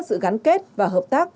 sự gắn kết và hợp tác